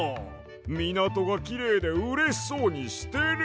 みなとがきれいでうれしそうにしてる！